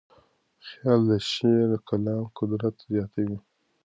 خیال د شعري کلام قدرت زیاتوي.